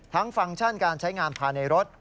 ฟังก์ชั่นการใช้งานภายในรถ